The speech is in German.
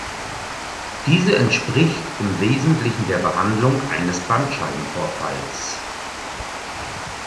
Diese entspricht im Wesentlichen der Behandlung eines Bandscheibenvorfalls.